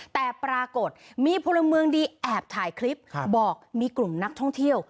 แต่ปรากฏมีพลเมืองดีแอบถ่ายคลิปบอกมีกลุ่มนักท่องเที่ยว